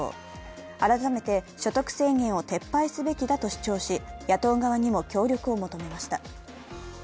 改めて所得制限を撤廃すべきだと主張し野党側にも協力を求めました。